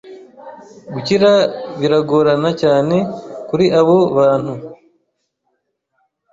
gukira biragorana cyane kuri abo bantu